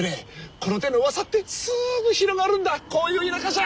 この手のうわさってすぐ広まるんだこういう田舎じゃ。